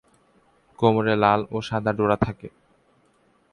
কোমরে লাল ও সাদা ডোরা থাকে।